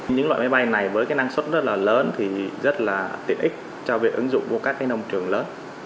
những loại máy bay này với cái năng suất rất là lớn thì rất là tiện ích cho việc ứng dụng của các nông trường lớn